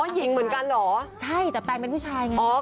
หญิงเหมือนกันเหรอใช่แต่แปลงเป็นผู้ชายไงอ๋อ